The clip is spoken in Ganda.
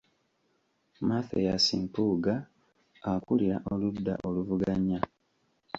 Mathias Mpuuga akulira oludda oluvuganya.